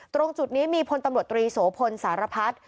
ตรงจุดนี้มีพลตำรวจตรีโสพลสารพัฒน์